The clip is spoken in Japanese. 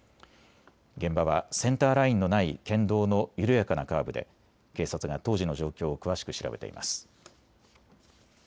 現場はセンターラインのない県道の緩やかなカーブで警察が当時の状況を詳しく調べています。